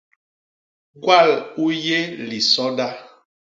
Gwal u yé lisoda.